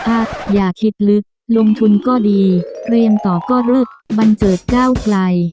อ่ะอย่าคิดลึกลงทุนก็ดีเรียมต่อก็ลึกบันเจิดก้าวไกล